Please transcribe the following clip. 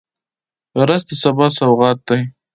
رس د سبا سوغات دی